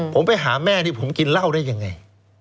ผมไปหาแม่นี่ผมกินเหล้าได้ยังไง